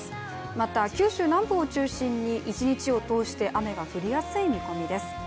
また九州南部を中心に一日を通して雨が降りやすい見込みです。